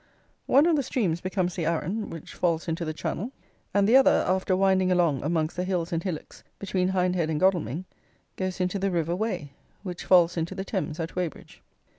One of the streams becomes the Arun, which falls into the Channel; and the other, after winding along amongst the hills and hillocks between Hindhead and Godalming, goes into the river Wey, which falls into the Thames at Weybridge.